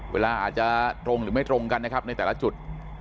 เวลาอาจจะตรงหรือไม่ตรงกันนะครับในแต่ละจุด